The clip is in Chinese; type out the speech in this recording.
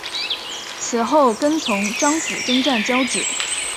此后跟从张辅征战交址。